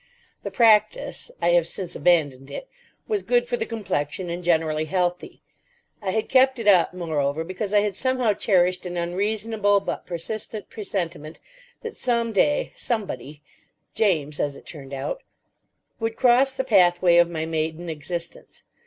The practice—I have since abandoned it—was good for the complexion, and generally healthy. I had kept it up, moreover, because I had somehow cherished an unreasonable but persistent presentiment that some day Somebody (James, as it turned out) would cross the pathway of my maiden existence.